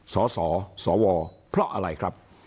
สสวเพราะอะไรครับ